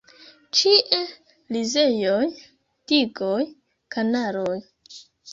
Ĉie rizejoj, digoj, kanaloj.